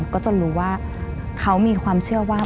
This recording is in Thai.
ก็จนรู้ว่าเขามีความเชื่อว่า